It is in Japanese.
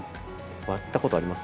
割ったことあります？